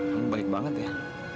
kamu baik banget ya